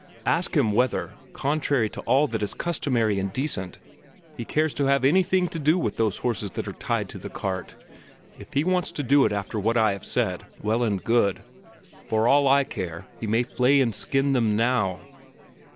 Ask him whether, contrary to all that is customary and decent, he cares to have anything to do with those horses that are tied to the cart. If he wants to do it after what I have said, well and good. For all I care, he may flay and skin them now."